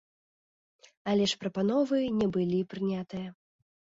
Але ж прапановы не былі прынятыя.